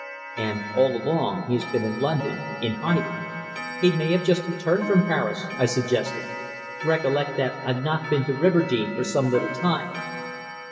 "And all along he has been in London in hiding." "He may have just returned from Paris," I suggested. "Recollect that I've not been to Riverdene for some little time."